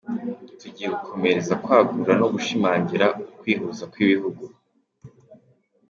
Tugiye gukomeza kwagura no gushimangira ukwihuza kw’ibihugu.